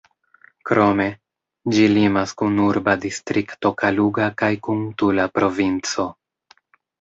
Krome, ĝi limas kun urba distrikto Kaluga kaj kun Tula provinco.